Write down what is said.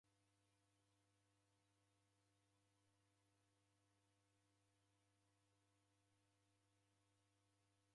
Ndedidedanyagha agha matuku